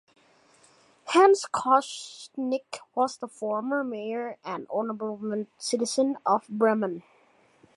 Hans Koschnick was the former mayor and Honorable citizen of Bremen.